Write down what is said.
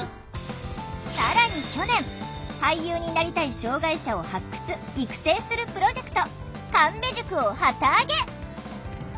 更に去年俳優になりたい障害者を発掘育成するプロジェクト神戸塾を旗揚げ！